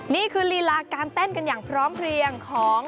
นี่คือลีลาการเต้นกันอย่างพร้อมเพลียงของ